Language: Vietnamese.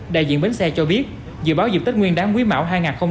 đại diện bến xe cho biết dự báo dịp tết nguyên đáng quý mạo hai nghìn hai mươi ba